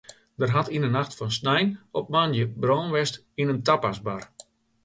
Der hat yn de nacht fan snein op moandei brân west yn in tapasbar.